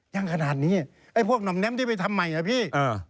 ยังขนาดนี้ไอ้พวกห่อมแ้มที่ไปทำใหม่อ่ะพี่